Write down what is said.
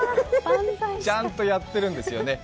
ちゃんとやってるんですよね。